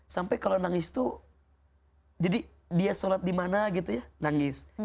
sampai kalau nangis tuh jadi dia sholat dimana gitu ya nangis